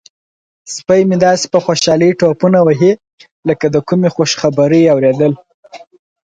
سپی مې داسې په خوشحالۍ ټوپونه وهي لکه د کومې خوشخبرۍ اوریدل.